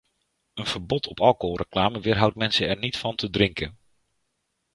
Een verbod op alcoholreclame weerhoudt mensen er niet van te drinken.